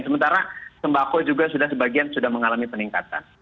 sementara sembako juga sudah sebagian sudah mengalami peningkatan